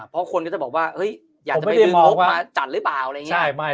เพราะคนจะบอกว่าเฮ้ยอยากจะไปดื่มงบมาจันรึเปล่า